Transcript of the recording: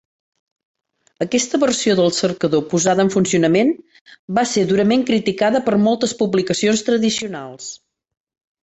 Aquesta versió del cercador posada en funcionament va ser durament criticada per moltes publicacions tradicionals.